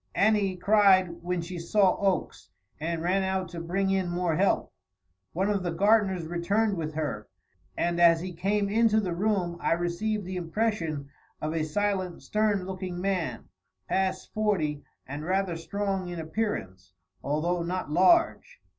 Annie cried when she saw Oakes, and ran out to bring in more help. One of the gardeners returned with her, and as he came into the room I received the impression of a silent, stern looking man, past forty and rather strong in appearance, although not large.